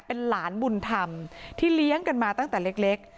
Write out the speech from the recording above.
เป็นหลานบุญธรรมที่เลี้ยงกันมาตั้งแต่เล็ก